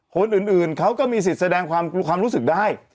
คนอื่นเขาก็มีสิทธิ์แสดงความรู้สึกได้